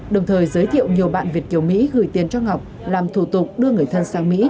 đồng thời giới thiệu nhiều bạn việt kiều mỹ gửi tiền cho ngọc làm thủ tục đưa người thân sang mỹ